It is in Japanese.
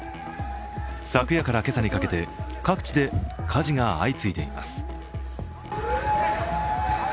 昨夜から今朝にかけて各地で火事が相次いでいます。